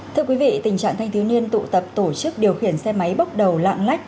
thưa quý vị tình trạng thanh thiếu niên tụ tập tổ chức điều khiển xe máy bốc đầu lạng lách